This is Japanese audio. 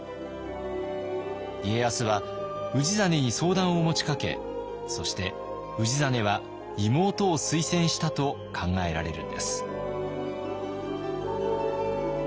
家康は氏真に相談を持ちかけそして氏真は妹を推薦したと考えられるんです。